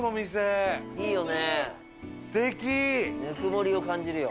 ぬくもりを感じるよ。